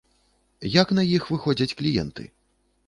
Як на іх выходзяць кліенты?